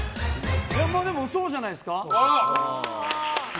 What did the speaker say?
まあ、そうじゃないですか。